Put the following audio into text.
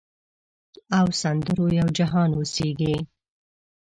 او سندرو یو جهان اوسیږې